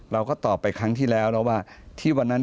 เราก็ตอบไปครั้งที่แล้วว่า